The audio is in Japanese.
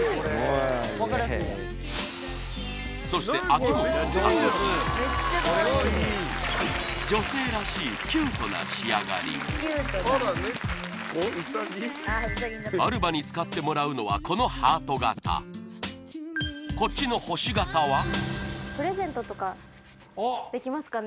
そして秋元の作品女性らしいキュートな仕上がりアルバに使ってもらうのはこのハート形こっちの星形はプレゼントとかできますかね？